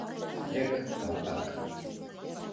Эк, калтак!..